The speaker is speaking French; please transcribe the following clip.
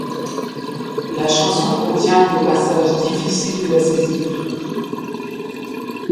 La chanson contient des passages difficiles à saisir.